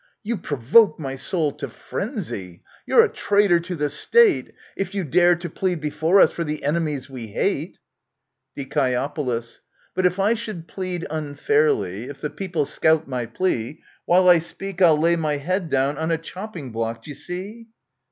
You provoke my soul to frenzy ! You're a traitor to the State, ^ J A If you dare to plead before us for the enemies we hate ! Die. But if I should plead unfairly ;— if the people scout my plea ;— While I speak I'll lay my head down on a chopping block, d'ye see?